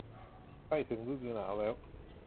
ใกล้ถึงฤดูหนาวแล้ว